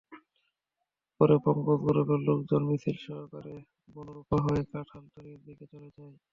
পরে পঙ্কজ গ্রুপের লোকজন মিছিলসহকারে বনরূপা হয়ে কাঁঠালতলীর দিকে চলে যায়।